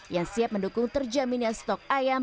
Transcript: yang siap mendukung terjaminnya stok ayam